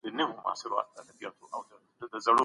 کله به نړیواله ټولنه جګړه تایید کړي؟